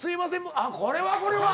あっこれはこれは。